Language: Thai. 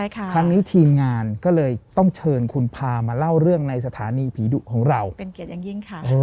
ครั้งนี้ทีมงานก็เลยต้องเชิญคุณพามาเล่าเรื่องในสถานีผีดุของเราเป็นเกียรติอย่างยิ่งค่ะ